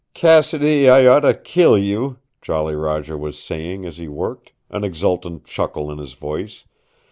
"Cassidy, I oughta kill you," Jolly Roger was saying as he worked, an exultant chuckle in his voice.